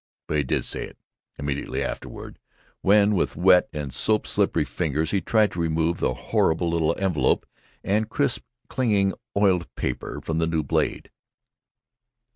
But he did say it, immediately afterward, when with wet and soap slippery fingers he tried to remove the horrible little envelope and crisp clinging oiled paper from the new blade.